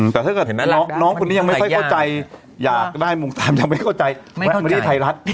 แต่ถ้าเห็นน้องคุณเนี่ยงไม่ค่อยเข้าใจอยากได้มุมตามยังไม่เข้าใจไม่ได้ไทยรัฐ